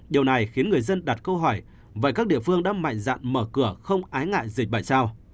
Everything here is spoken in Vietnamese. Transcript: điều này khiến người dân đặt câu hỏi vậy các địa phương đã mạnh dạn mở cửa không ái ngại dịch bởi sao